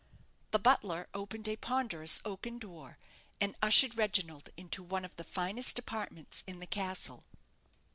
The butler opened a ponderous oaken door, and ushered Reginald into one of the finest apartments in the castle.